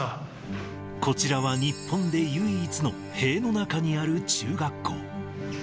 こちらは日本で唯一の、塀の中にある中学校。